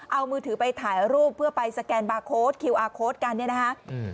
เอามือถือไปถ่ายรูปเพื่อไปสแกนบาร์โค้ดกันเนี่ยนะคะ